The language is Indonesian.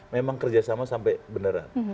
memang kerjasama sampai beneran